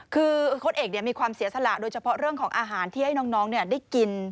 คือโค้ดเอกมีความเสียสละโดยเฉพาะเรื่องของอาหารที่ให้น้องได้กิน